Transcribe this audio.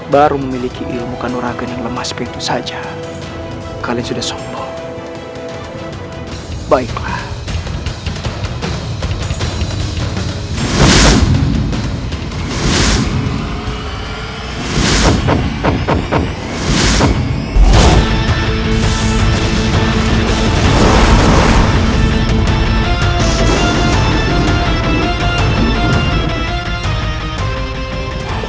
baru memiliki ilmu khanuragen yang lemas pintu saja kalian sudah sombong baiklah